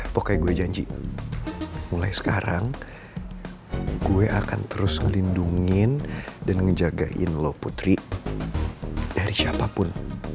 pokoknya gue janji mulai sekarang gue akan terus ngelindungin dan ngejagain low putri dari siapapun